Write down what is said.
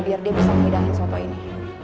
biar dia bisa mengidahin soto ini